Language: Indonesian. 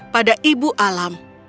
pada ibu alam